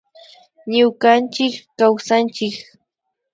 Ñukanchik kawsanchik